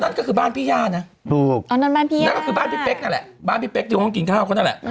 นั่นคือบ้านพี่ย่านะนั่นคือบ้านพี่เป๊๊กนั่นแหละบ้านพี่เป๊๊กอยู่ในห้องกินข้าว